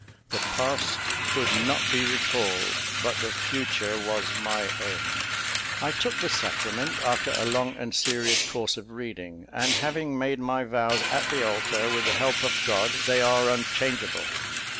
The past could not be recalled; but the future was my own. "I took the sacrament after a long and serious course of reading; and, having made my vows at the altar, with the help of God, they are unchangeable.